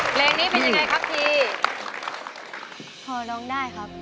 เพลงนี้เป็นยังไงครับที